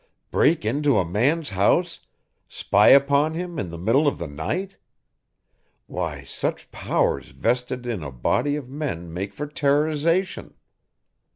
Break into a man's house, spy upon him in the middle of the night! Why, such powers vested in a body of men make for terrorisation.